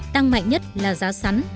tăng mạnh nhất là giá sắn